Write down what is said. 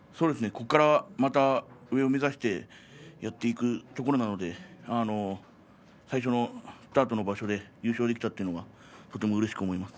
ここからまた上を目指して頑張っていくところなんで最初のスタートの場所で優勝できたというのはとてもうれしく思います。